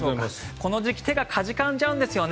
この時期、手がかじかんじゃうんですよね。